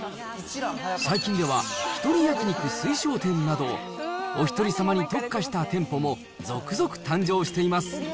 最近では、１人焼き肉推奨店など、おひとり様に特化した店舗も続々誕生しています。